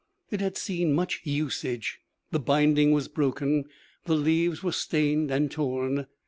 It had seen much usage; the binding was broken, the leaves were stained and torn.